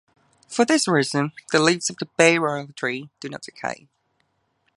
For this reason, the leaves of the Bay laurel tree do not decay.